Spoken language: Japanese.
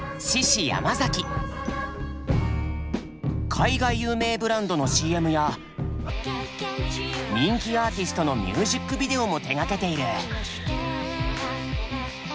海外有名ブランドのＣＭや人気アーティストのミュージックビデオも手がけている。